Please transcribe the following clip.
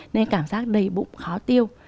nên cảm giác đầy bụng khó tiêu